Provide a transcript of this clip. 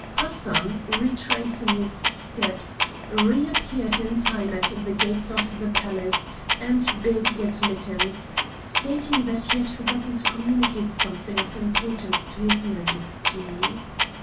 Hassan, retracing his steps, reappeared in time at the gates of the Palace and begged admittance, stating that he had forgotten to communicate something of importance to his Majesty.